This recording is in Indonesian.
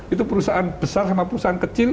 itu perusahaan besar sama perusahaan kecil